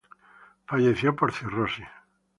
Falleció por cirrosis.